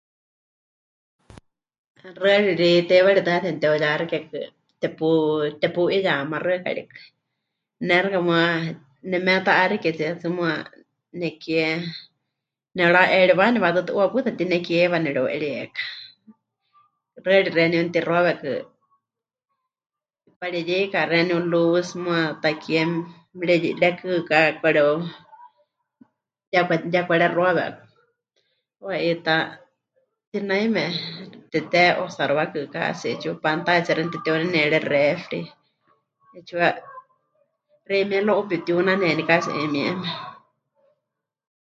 Xɨari ri teiwaritɨ́a ya temɨteuyaxikekɨ tepu... tepu'iyamáxɨa karikɨ, ne xɨka muuwa nemeta'axiketsie tsɨ muuwa nekie, nemɨra'eriwani waʼatɨɨ́tɨ 'uuwa pɨta pɨtinekie heiwa nereu'erieka, xɨari xeeníu mɨtixuawekɨ, mɨkareyeika xeeníu luz muuwa takie mɨreye... mɨrekɨɨka..., mɨkwareu... ya mɨka... ya mɨkarexuawe 'aku, 'uuwa 'i ta tinaime temɨte'usaruakɨ kasi, 'eetsiwa pantallatsie xeeníu temɨteheuneniere, refri, 'eetsiwa xeimíe luego 'uuwa pepɨtiunaneni casi 'ayumieme.